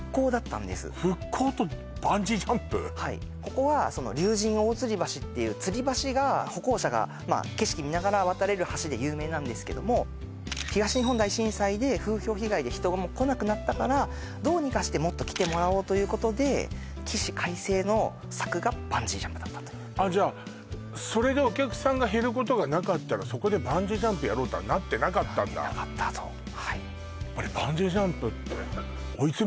はいここは竜神大吊橋っていう吊り橋が歩行者が景色見ながら渡れる橋で有名なんですけども東日本大震災で風評被害で人が来なくなったからどうにかしてもっと来てもらおうということで起死回生の策がバンジージャンプだったというじゃあそれでお客さんが減ることがなかったらそこでバンジージャンプやろうとはなってなかったんだなってなかったとはい岐阜すごいんですよ